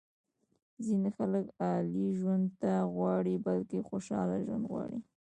ځینې خلک عالي ژوند نه غواړي بلکې خوشاله ژوند غواړي.